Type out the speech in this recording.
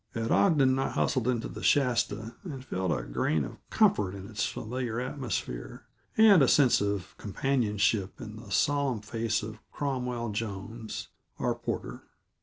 At Ogden I hustled into the Shasta and felt a grain of comfort in its familiar atmosphere, and a sense of companionship in the solemn face of Cromwell Jones, our porter.